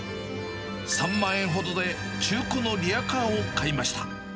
３万円ほどで中古のリヤカーを買いました。